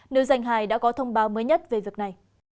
nữ giành hài đã có thông báo mới nhất về việc này